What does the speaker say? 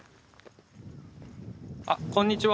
あっこんにちは。